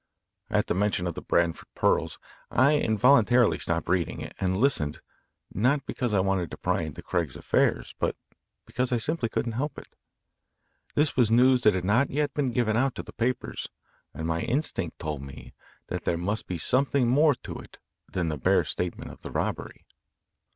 At the mention of the Branford pearls I involuntarily stopped reading, and listened, not because I wanted to pry into Craig's affairs, but because I simply couldn't help it. This was news that had not yet been given out to the papers, and my instinct told me that there must be something more to it than the bare statement of the robbery.